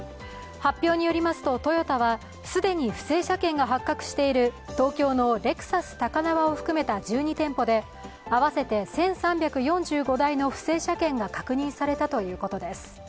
発表によりますとトヨタは既に不正車検が発覚している東京のレクサス高輪を含めた１２店舗で合わせて１３４５台の不正車検が確認されたということです。